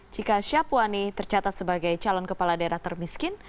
jika syapuani tercatat sebagai calon kepala daerah termiskin